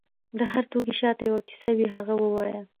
د هر توکي شاته یو کیسه وي، هغه ووایه.